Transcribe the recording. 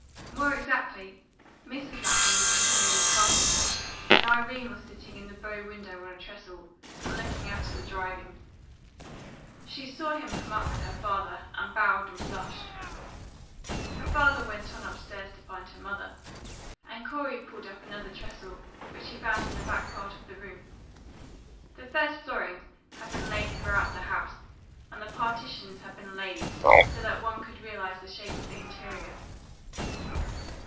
More exactly, Mrs. Lapham was interviewing the carpenter, and Irene was sitting in the bow window on a trestle, and looking out at the driving. She saw him come up with her father, and bowed and blushed. Her father went on up stairs to find her mother, and Corey pulled up another trestle which he found in the back part of the room. The first floorings had been laid throughout the house, and the partitions had been lathed so that one could realise the shape of the interior.